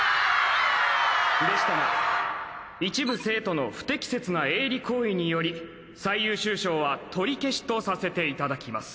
でしたが一部生徒の不適切な営利行為により最優秀賞は取り消しとさせていただきます。